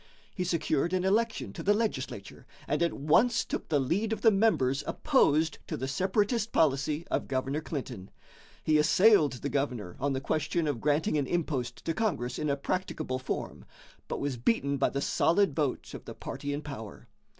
He secured an election to the legislature, and at once took the lead of the members opposed to the separatist policy of Governor Clinton. He assailed the governor on the question of granting an impost to Congress in a practicable form, but was beaten by the solid vote of the party in power.